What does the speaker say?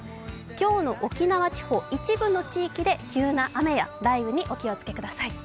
今日の沖縄地方、一部の地域で急な雨や雷雨にお気をつけください。